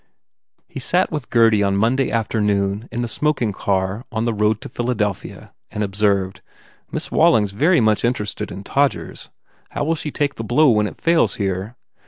He sat with Gurdy on Mon day afternoon in the smoking car on the road to Philadelphia and observed, "Miss Walling s very much interested in Todgers. How will she take the blow when it fails, here?